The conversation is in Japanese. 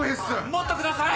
もっとください！